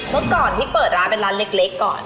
เมื่อก่อนที่เปิดร้านเป็นร้านเล็กก่อน